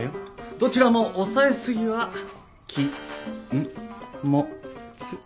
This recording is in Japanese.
どちらも押さえ過ぎはき・ん・も・つ。